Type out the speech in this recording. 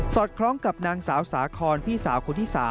คล้องกับนางสาวสาคอนพี่สาวคนที่๓